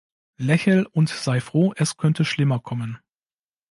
Lächel und sei froh, es könnte schlimmer kommen.